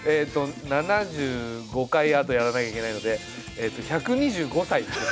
７５回あとやらなきゃいけないので１２５歳ですね。